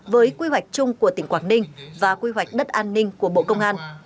với quy hoạch chung của tỉnh quảng ninh và quy hoạch đất an ninh của bộ công an